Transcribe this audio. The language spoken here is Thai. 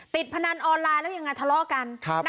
ติดผนันออนไลน์แล้วยังไงทะเลาะกันโทรศัพท์ค่ะ